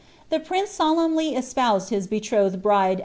The prince solemnly espoused his betrothed liriot